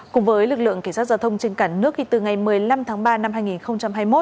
cùng với lực lượng cảnh sát giao thông trên cả nước từ ngày một mươi năm tháng ba năm hai nghìn hai mươi một